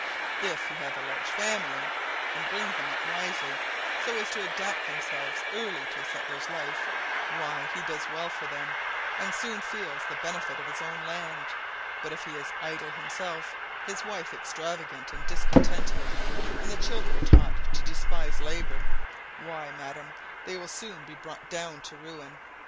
If he have a large family, and brings them up wisely, so as to adapt themselves early to a settler's life, why he does well for them, and soon feels the benefit on his own land; but if he is idle himself, his wife extravagant and discontented, and the children taught to despise labour, why, madam, they will soon be brought down to ruin.